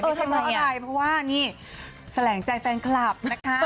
ไม่ใช่เพราะอะไรเพราะว่านี่แสลงใจแฟนคลับนะคะ